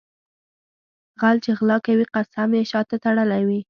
غل چې غلا کوي قسم یې شاته تړلی وي.